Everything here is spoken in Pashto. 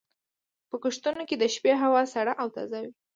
په کښتونو کې د شپې هوا سړه او تازه وي.